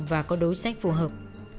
và có đối sách phù hợp